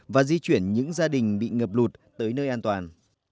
và di chuyển những gia đình bị ngập lụt tới nơi an toàn